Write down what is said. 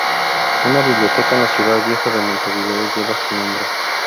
Una biblioteca en la Ciudad Vieja de Montevideo lleva su nombre.